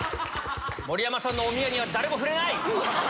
盛山さんのおみやには誰も触れない！